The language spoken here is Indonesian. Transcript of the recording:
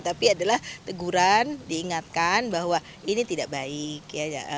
tapi adalah teguran diingatkan bahwa ini tidak baik ya